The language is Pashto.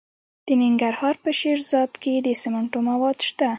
د ننګرهار په شیرزاد کې د سمنټو مواد شته.